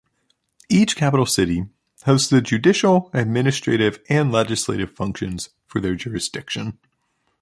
Each capital city hosts the judicial, administrative and legislative functions for their jurisdiction.